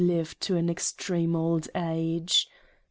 PIOZZI live to an extreme old Age